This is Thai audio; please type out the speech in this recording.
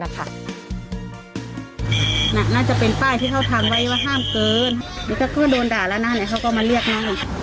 น่าจะเป็นป้ายที่เขาทำไว้ว่าห้ามเกินหรือก็คือโดนด่าแล้วนะไหนเขาก็มาเรียกนะลูก